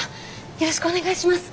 よろしくお願いします。